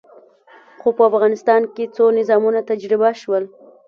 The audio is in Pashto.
خو په افغانستان کې څو نظامونه تجربه شول.